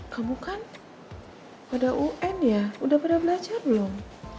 kamu kan pada un ya udah pada belajar belum